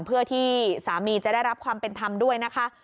เพื่อที่สามีจะได้รับความเป็นธรรมด้วยนะคะ